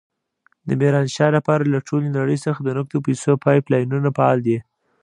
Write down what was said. د ميرانشاه لپاره له ټولې نړۍ څخه د نقدو پيسو پایپ لاینونه فعال دي.